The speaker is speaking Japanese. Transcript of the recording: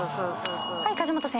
はい梶本先生。